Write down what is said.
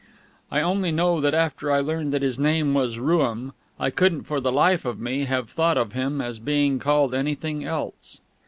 I only know that after I learned that his name was Rooum, I couldn't for the life of me have thought of him as being called anything else.